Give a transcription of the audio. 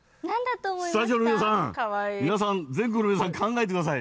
スタジオの皆さん、皆さん、全国の皆さん、考えてください。